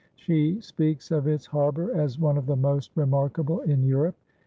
She speaks of its harbour as one of the most remarkable in Europe.